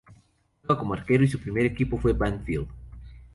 Juega como arquero y su primer equipo fue Banfield.